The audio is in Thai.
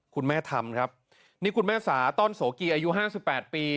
คุณแม่ทำครับนี่คุณแม่สาต้อนโสกีอายุ๕๘ปี